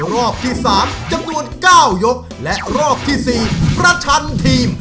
รอบที่๓จำนวน๙ยกและรอบที่๔ประชันทีม